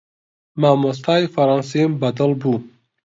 مامۆستای فەڕەنسیم بەدڵ بوو.